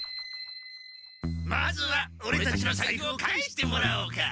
まずはオレたちのさいふを返してもらおうか。